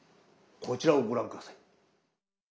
こちらをご覧下さい。